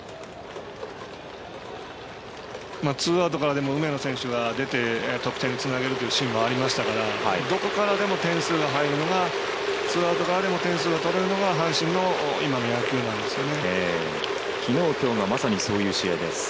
ツーアウトからでも梅野選手は出て得点につなげるというシーンはありましたからどこからでも点数が入るのがツーアウトからでも点数を取れるのが阪神の今の野球なんですよね。